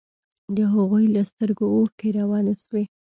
د هغوى له سترګو اوښكې روانې سوې.